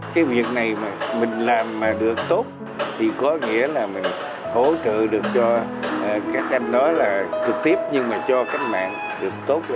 cái việc này mà mình làm mà được tốt thì có nghĩa là mình hỗ trợ được cho các anh nói là trực tiếp nhưng mà cho cách mạng được tốt